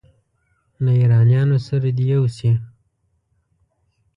له ایرانیانو سره دې یو شي.